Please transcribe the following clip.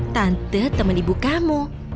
tante temen ibu kamu